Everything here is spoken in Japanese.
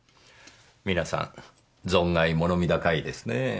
皆さん存外物見高いですねぇ。